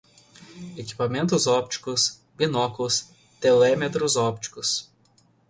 Equipamentos ópticos, binóculos, telémetros ópticos